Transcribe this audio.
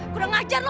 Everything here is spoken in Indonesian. gua udah ngajar lu